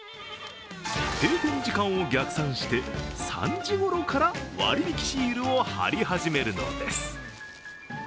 閉店時間を逆算して３時ごろから割引シールを貼り始めるのです。